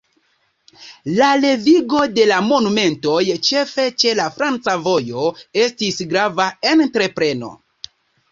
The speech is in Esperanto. La renovigo de la monumentoj, ĉefe ĉe la franca vojo, estis grava entrepreno.